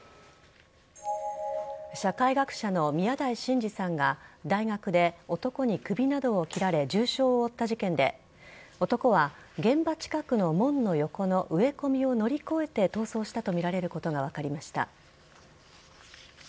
社会学者の宮台真司さんが大学で男に首などを切られ重傷を負った事件で男は現場近くの門の横の植え込みを乗り越えて逃走したとみられることが分かりました。